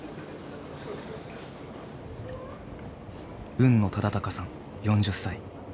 海野雅威さん４０歳。